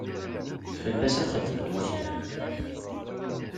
Fell-as ad xeddmen waklan.